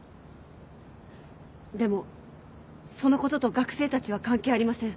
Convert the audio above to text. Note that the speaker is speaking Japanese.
でもそのことと学生たちは関係ありません。